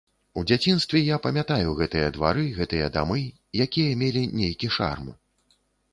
У дзяцінстве я памятаю гэтыя двары, гэтыя дамы, якія мелі нейкі шарм.